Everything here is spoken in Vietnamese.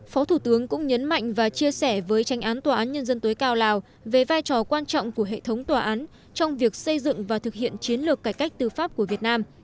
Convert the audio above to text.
phó thủ tướng cũng nhấn mạnh và chia sẻ với tranh án tòa án nhân dân tối cao lào về vai trò quan trọng của hệ thống tòa án trong việc xây dựng và thực hiện chiến lược cải cách tư pháp của việt nam